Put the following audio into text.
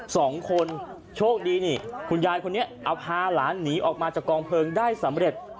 สองคนโชคดีนี่คุณยายคนนี้เอาพาหลานหนีออกมาจากกองเพลิงได้สำเร็จ